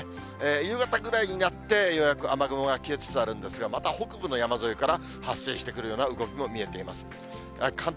夕方ぐらいになって、ようやく雨雲が消えつつあるんですが、また北部の山沿いから発生してくるような動きも見えています。